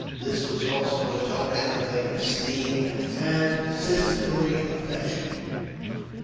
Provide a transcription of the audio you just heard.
This was also a token of their esteem and sisterly affection.